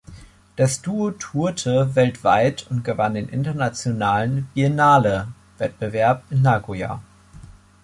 Das Duo tourte weltweit und gewann den internationalen Biennale-Wettbewerb in Nagoya.